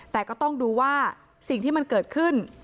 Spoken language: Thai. แต่ก็ต้องดูว่าสิ่งที่มันเกิดขึ้น